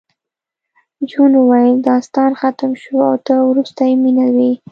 جون وویل داستان ختم شو او ته وروستۍ مینه وې